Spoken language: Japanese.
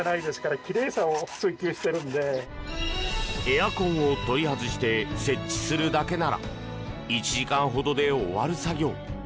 エアコンを取り外して設置するだけなら１時間ほどで終わる作業。